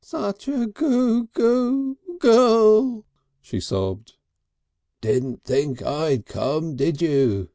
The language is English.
"Such a goo goo goo girl!" she sobbed. "Didn't think I'd come, did you?"